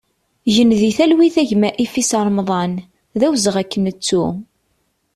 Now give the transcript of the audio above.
Gen di talwit a gma Ifis Remḍan, d awezɣi ad k-nettu!